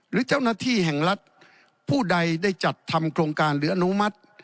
หรือเจ้าหน้าที่แห่งรัฐผู้ใดได้จัดทำโครงการหรืออนุมัติ